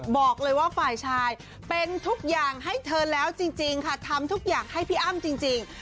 บอกเลยว่าฝ่ายชายเป็นทุกอย่างให้เธอแล้วจริงค่ะทำทุกอย่างให้พี่อ้ำจริง